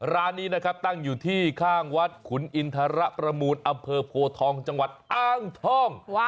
ร้านนี้นะครับตั้งอยู่ที่ข้างวัดขุนอินทรประมูลอำเภอโพทองจังหวัดอ้างทอง